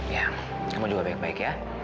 ya kamu juga baik baik ya